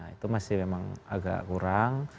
itu masih memang agak kurang